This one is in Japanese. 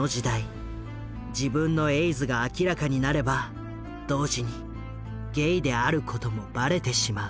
自分のエイズが明らかになれば同時にゲイであることもバレてしまう。